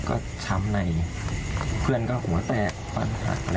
ก็ช้ำในเพื่อนก็แบบหัวแตะว่างผุงอะไรอย่างนี้